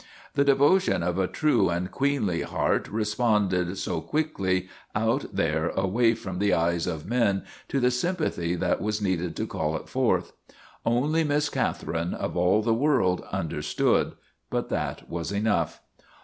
The devotion of a true and queenly heart re sponded so quickly, out there away from the eyes of men, to the sympathy that was needed to call it forth. Only Miss Catherine, of all the world, un derstood, but that was enough.